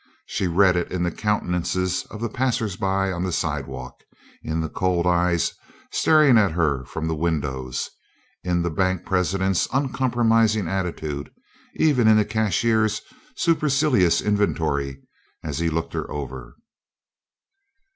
She read it in the countenances of the passersby on the sidewalk, in the cold eyes staring at her from the windows, in the bank president's uncompromising attitude, even in the cashier's supercilious inventory as he looked her over.